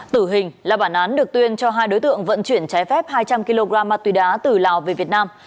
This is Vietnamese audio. tử hình là bản án được tuyên cho hai đối tượng vận chuyển trái phép hai trăm linh kg ma túy đá từ lào về việt nam